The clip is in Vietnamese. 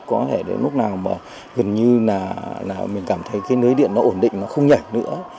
có thể đến lúc nào mà gần như là mình cảm thấy cái lưới điện nó ổn định nó không nhảy nữa